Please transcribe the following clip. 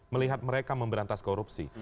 melihat mereka memberantas korupsi